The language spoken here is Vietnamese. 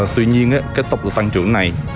tuy nhiên cái tốc độ tăng trưởng này